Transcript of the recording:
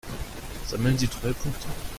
Sammeln Sie Treuepunkte?